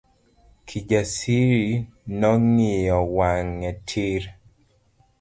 Kijasiri nong'iyo wange tir.